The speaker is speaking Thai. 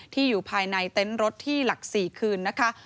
อยู่ภายในเต็นต์รถที่หลัก๔คืนนะคะ